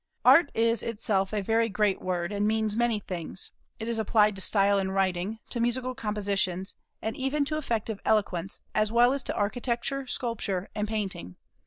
"Art" is itself a very great word, and means many things; it is applied to style in writing, to musical compositions, and even to effective eloquence, as well as to architecture, sculpture, and painting.